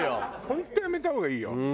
本当やめた方がいいよ